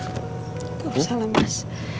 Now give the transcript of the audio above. gak usah lah mas